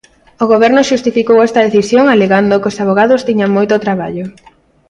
O Goberno xustificou esta decisión alegando que os avogados tiñan moito traballo.